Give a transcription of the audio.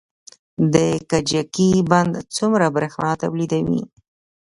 د کجکي بند څومره بریښنا تولیدوي؟